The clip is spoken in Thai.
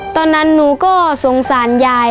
ตอนนั้นหนูก็สงสารยาย